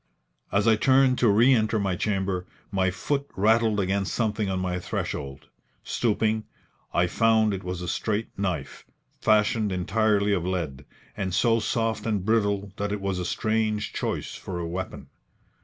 As I turned to re enter my chamber, my foot rattled against something on my threshold. Stooping, I found it was a straight knife, fashioned entirely of lead, and so soft and brittle that it was a strange choice for a weapon.